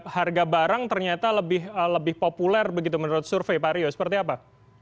harga barang ternyata lebih populer begitu menurut survei pak rio seperti apa